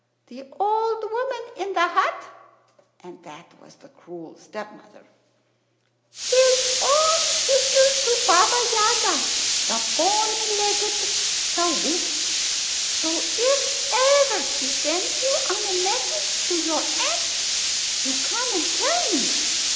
The old woman in the hut (and that was the cruel stepmother) is own sister to Baba Yaga, the bony legged, the witch. So if ever she sends you on a message to your aunt, you come and tell me.